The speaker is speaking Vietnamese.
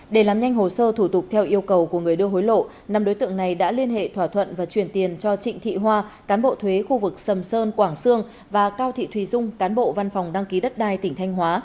để làm nhanh hồ sơ thủ tục theo yêu cầu của người đưa hối lộ năm đối tượng này đã liên hệ thỏa thuận và chuyển tiền cho trịnh thị hoa cán bộ thuế khu vực sầm sơn quảng sương và cao thị thùy dung cán bộ văn phòng đăng ký đất đai tỉnh thanh hóa